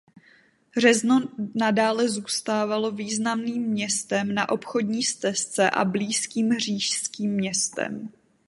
Řezno nadále zůstávalo významným městem na obchodní stezce a blízkým říšským městem.